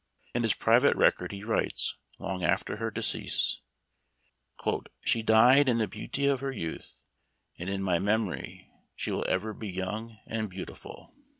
In his private record he writes, long after her decease, " She died in the beauty of her youth, and in my memory she will ever be young and beau tiful."